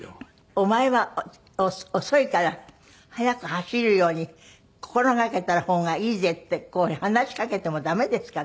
お前は遅いから速く走るように心がけた方がいいぜってこういうふうに話しかけても駄目ですかね？